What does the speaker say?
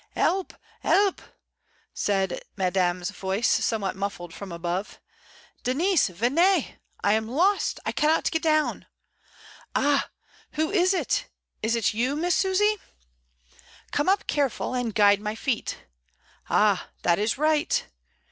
"'Elp! 'elpl" says Madame's voice, somewhat muffled, from above. "Denise, venezi I am lost; I cannot get down. Ah! who is it — is it you. Miss Susy? Come up, careful, and guide my feet. Ah! that is right.